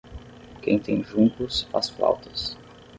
Quem tem juncos faz flautas.